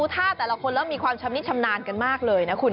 ท่านมีความชำนาญกันมากเลยนะคุณคะ